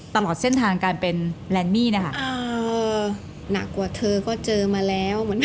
ตลอดเส้นทางการเป็นแรนมี่นะคะ